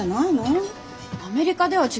アメリカでは違います。